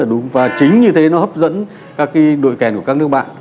rất là đúng và chính như thế nó hấp dẫn các cái đội kèn của các nước bạn